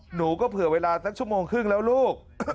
หนูก็เผื่อเวลาสักชั่วโมงครึ่งแล้วลูก